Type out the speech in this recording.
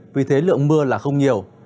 vì thế lượng mưa là không nhiều